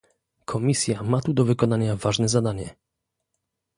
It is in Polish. Komisja ma tu do wykonania ważne zadanie